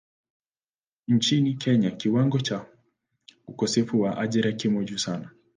Nchini Kenya kiwango cha ukosefu wa ajira kimo juu sana.